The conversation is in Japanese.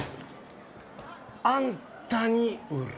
あんたに売る。